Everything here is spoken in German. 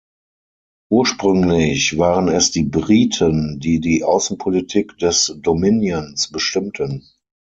Ursprünglich waren es die Briten, die die Außenpolitik des Dominions bestimmten.